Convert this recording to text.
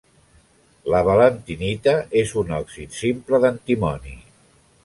La valentinita és un òxid simple d'antimoni.